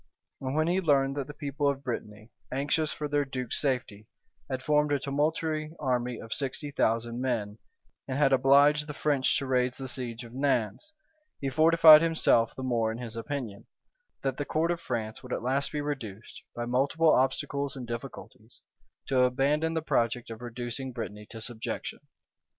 And when he learned that the people of Brittany, anxious for their duke's safety, had formed a tumultuary army of sixty thousand men, and had obliged the French to raise the siege of Nantz, he fortified himself the more in his opinion, that the court of France would at last be reduced, by multiplied obstacles and difficulties, to abandon the project of reducing Brittany to subjection.